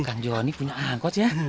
kan joni punya angkot ya